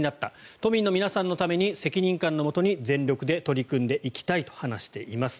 都民の皆さんのために責任感のもとに全力で取り組んでいきたいと話しています。